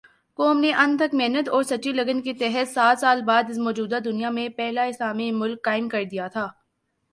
قوم نے انتھک محنت اور سچی لگن کے تحت سات سال بعد اس موجودہ دنیا میں پہلا اسلامی ملک قائم کردیا تھا